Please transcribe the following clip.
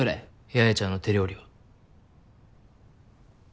八重ちゃんの手料理は。